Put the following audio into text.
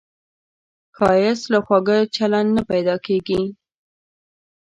ښایست له خواږه چلند نه پیدا کېږي